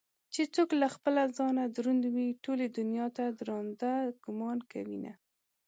چې څوك له خپله ځانه دروند وي ټولې دنياته ددراندۀ ګومان كوينه